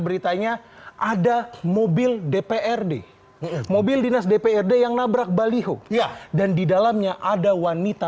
beritanya ada mobil dprd mobil dinas dprd yang nabrak baliho ya dan di dalamnya ada wanita